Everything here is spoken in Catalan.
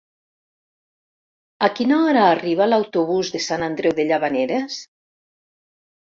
A quina hora arriba l'autobús de Sant Andreu de Llavaneres?